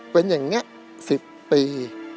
เป็นอย่างนี้๑๐ปี